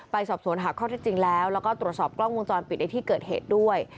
สอบสวนหาข้อที่จริงแล้วแล้วก็ตรวจสอบกล้องวงจรปิดในที่เกิดเหตุด้วย